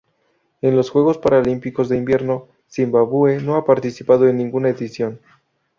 En los Juegos Paralímpicos de Invierno Zimbabue no ha participado en ninguna edición.